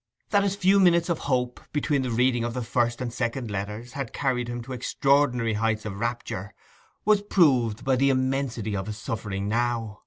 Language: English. That his few minutes of hope, between the reading of the first and second letters, had carried him to extraordinary heights of rapture was proved by the immensity of his suffering now.